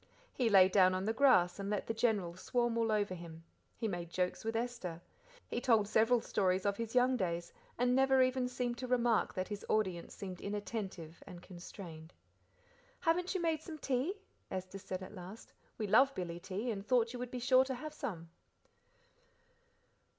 He lay down on the grass and let the General swarm all over him; he made jokes with Esther; he told several stories of his young days, and never even seemed to remark that his audience seemed inattentive and constrained. "Haven't you made some tea?" Esther said at last. "We love billy tea, and thought you would be sure to have some?"